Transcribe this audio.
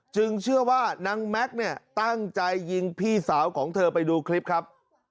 เชื่อว่านางแม็กซ์เนี่ยตั้งใจยิงพี่สาวของเธอไปดูคลิปครับ